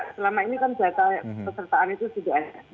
selama ini kan data pesertaan itu sudah ada